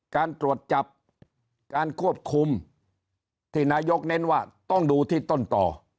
การตรวจจับการควบคุมที่นายกเน้นว่าต้องดูที่ต้นต่อ